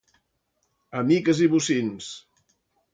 A miques i bocins.